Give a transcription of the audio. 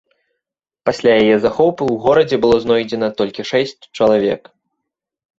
Пасля яе захопу ў горадзе было знойдзена толькі шэсць чалавек.